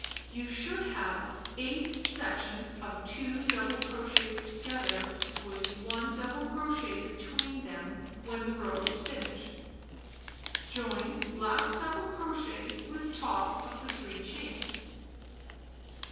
You should have 8 sections of 2 double crochets together with 1 double crochet between them when row is finished. Join last double crochet with top of the 3 chains.